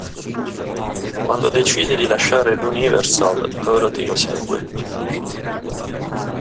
Quando decide di lasciare l'Universal, Dorothy lo segue.